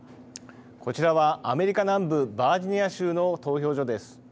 こちらはアメリカ南部バージニア州の投票所です。